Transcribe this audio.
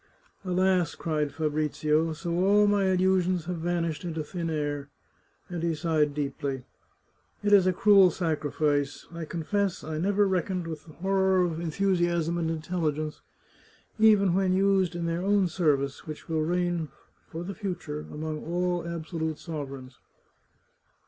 " Alas !" cried Fabrizio, " so all my illusions have van ished into thin air !" and he sighed deeply. " It is a cruel sacrifice. I confess I never reckoned with the horror of enthusiasm and intelligence, even when used in their own service, which will reign for the future among all absolute sovereigns."